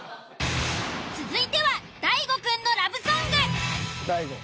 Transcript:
続いては大悟くんのラブソング。